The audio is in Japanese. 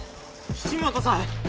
岸本さん！